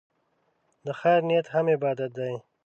د خیر نیت هم عبادت دی.